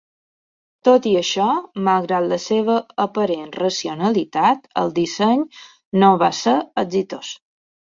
Tot i això, malgrat la seva aparent racionalitat, el disseny no va ser exitós.